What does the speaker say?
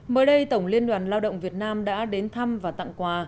mới đây tổng liên đoàn lao động việt nam đã đến thăm và tặng quà